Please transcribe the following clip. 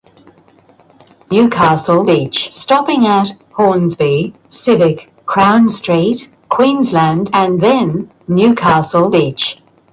If a liability order is granted, the council can undertake enforcement action.